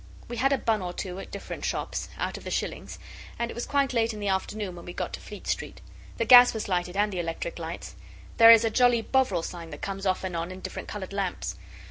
We had a bun or two at different shops out of the shillings and it was quite late in the afternoon when we got to Fleet Street. The gas was lighted and the electric lights. There is a jolly Bovril sign that comes off and on in different coloured lamps.